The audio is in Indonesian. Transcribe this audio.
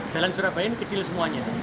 jalan surabaya ini kecil semuanya